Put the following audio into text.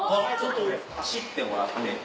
走ってもらって。